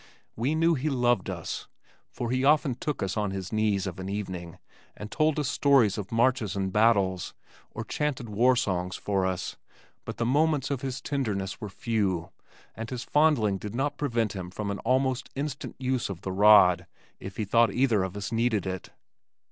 We knew he loved us, for he often took us to his knees of an evening and told us stories of marches and battles, or chanted war songs for us, but the moments of his tenderness were few and his fondling did not prevent him from almost instant use of the rod if he thought either of us needed it.